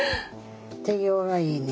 手際がいいね。